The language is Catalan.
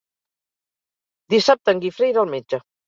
Dissabte en Guifré irà al metge.